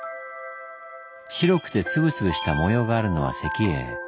白くて粒々した模様があるのは石英。